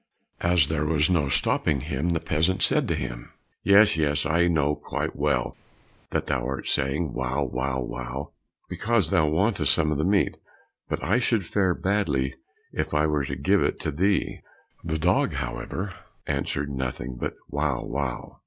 As there was no stopping him, the peasant said to him, "Yes, yes, I know quite well that thou art saying, 'wow, wow, wow,' because thou wantest some of the meat; but I should fare badly if I were to give it to thee." The dog, however, answered nothing but "wow, wow."